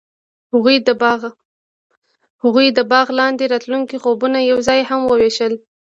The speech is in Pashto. هغوی د باغ لاندې د راتلونکي خوبونه یوځای هم وویشل.